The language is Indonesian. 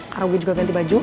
karo gue juga ganti baju